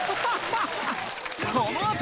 このあと！